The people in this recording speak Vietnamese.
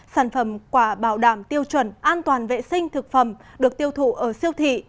sản phẩm quả bảo đảm tiêu chuẩn an toàn vệ sinh thực phẩm được tiêu thụ ở siêu thị